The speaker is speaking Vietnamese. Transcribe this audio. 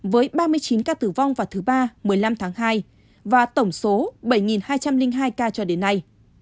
với ba mươi chín ca tử vong vào thứ ba một mươi năm tháng hai và tổng số bảy hai trăm linh hai ca cho đến nay